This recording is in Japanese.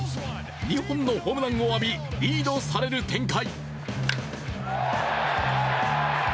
２本のホームランを浴びリードされる展開。